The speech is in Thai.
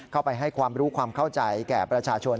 เข้าไปให้ความรู้ความเข้าใจแก่ประชาชน